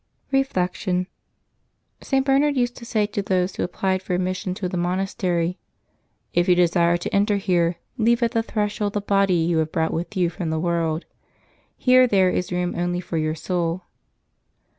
Reflection. — St. Bernard used to say to those who ap plied for admission to the monastery, " If you desire to enter here, leave at the threshold the body you have brought with you from the world ; here there is room only for your soul.''